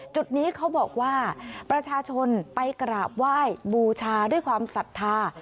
จุดนี้เขาบอกว่าประชาชนไปกราบไหว้บูชาด้วยความศรัทธา